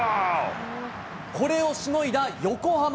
これをしのいだ横浜。